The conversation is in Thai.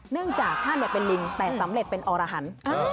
เนื่องจากท่านเป็นลิงแต่สำเร็จเป็นอรหัน